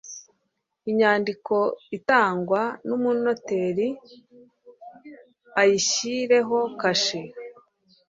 inyandiko itangwa n umunoteri ayishyiraho kashe